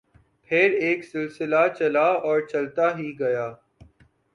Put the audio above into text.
پھر ایک سلسلہ چلا اور چلتا ہی گیا۔